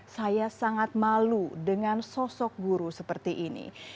saya sangat malu dengan sosok guru seperti ini